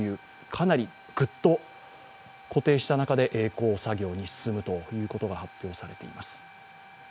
かなりグッと固定した中でえい航作業に進むということが発表されています。